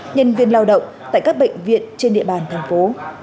nhân viên lao động tại các bệnh viện trên địa bàn thành phố